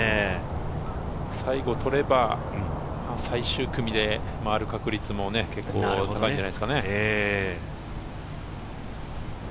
最後取れば、最終組で回る確率も結構高いんじゃないですかね。